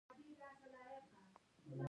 د بادام ګلونه ولې لومړی راځي؟